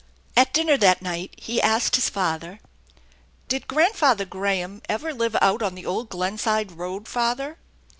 At dinner that night he asked his father :" Did Grandfather Graham ever live out on the old Glen ;ide Road, father?"